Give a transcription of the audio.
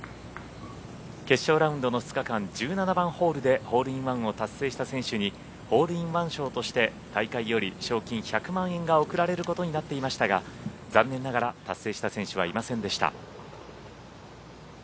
決勝ラウンドの２日間１７番ホールでホールインワンを達成した選手にホールインワン賞として大会より賞金１００万円が贈られることになっていましたが残念ながら達成した選手はいませんでした。